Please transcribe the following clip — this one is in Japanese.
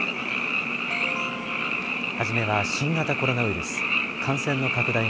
初めは新型コロナウイルス。